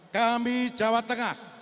kami jawa tengah